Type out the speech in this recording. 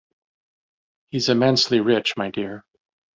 He’s immensely rich, my dear.